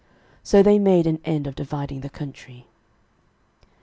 So they made an end of dividing the country.